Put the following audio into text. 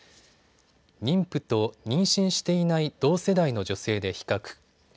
妊婦と妊娠していない同世代の女性で比較。